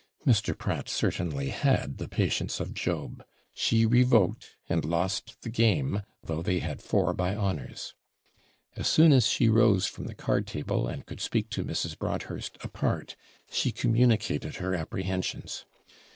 Mr. Pratt certainly had the patience of Job. She revoked, and lost the game, though they had four by honours. As soon as she rose from the card table, and could speak to Mrs. Broadhurst apart, she communicated her apprehensions.